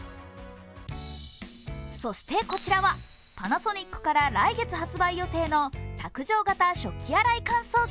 そしてこちらは、パナソニックから来月発売予定の卓上型食器洗い乾燥機。